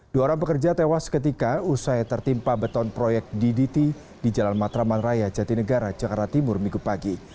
dua orang pekerja tewas seketika usai tertimpa beton proyek ddt di jalan matraman raya jatinegara jakarta timur minggu pagi